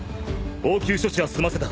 応急処置は済ませた。